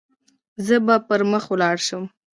زه به پر مخ ولاړ شم.